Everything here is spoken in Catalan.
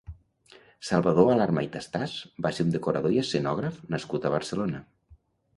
Salvador Alarma i Tastàs va ser un decorador i escenògraf nascut a Barcelona.